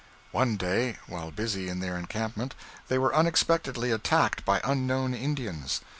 One day, while busy in their encampment, they were unexpectedly attacked by unknown Indians.